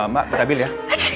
mbak minta bil ya